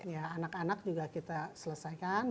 ya anak anak juga kita selesaikan